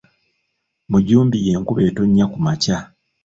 Mujumbi y'enkuba etonnya ku makya